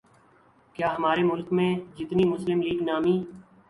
کیا ہمارے ملک میں جتنی مسلم لیگ نامی